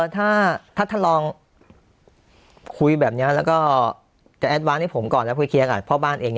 ถ้าท่านลองคุยแบบนี้แล้วก็จะแอดวานให้ผมก่อนแล้วคุยเคลียร์กับพ่อบ้านเอง